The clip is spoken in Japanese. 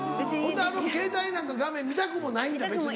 ほんならあのケータイなんか画面見たくもないんだ別に。